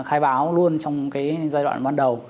khai báo luôn trong cái giai đoạn ban đầu